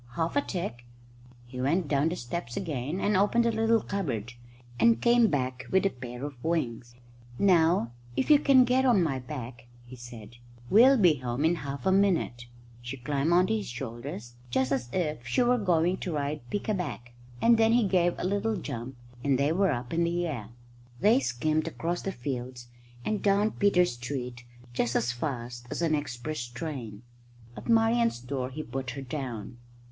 "Half a tick." He went down the steps again, and opened the little cupboard, and came back with a pair of wings. "Now, if you can get on my back," he said, "we'll be home in half a minute." She climbed on to his shoulders, just as if she were going to ride pick a back, and then he gave a little jump and they were up in the air. They skimmed across the fields and down Peter Street just as fast as an express train. At Marian's door he put her down.